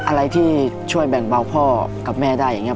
อะไรที่ช่วยแบ่งเบาพ่อกับแม่ได้อย่างนี้